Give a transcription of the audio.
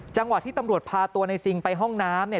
จังหวะที่ตำรวจพาตัวในซิงไปห้องน้ำเนี่ย